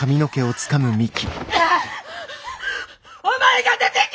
お前が出てけ！